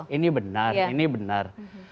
ini benar ini benar